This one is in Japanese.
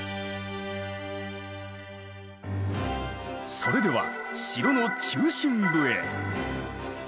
それでは城の中心部へ。